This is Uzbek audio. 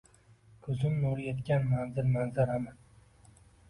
Koʼzim nuri yetgan manzil, manzarami?